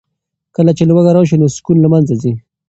کله چې لوږه راشي نو سکون له منځه ځي.